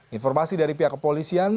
informasi dari pihak kepolisian